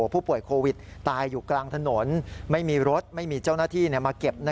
ผู้ป่วยโควิดตายอยู่กลางถนนไม่มีรถไม่มีเจ้าหน้าที่มาเก็บ